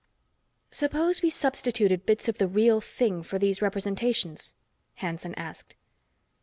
"Suppose we substituted bits of the real thing for these representations?" Hanson asked.